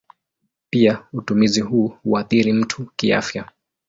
Pia utumizi huu huathiri mtu kiafya.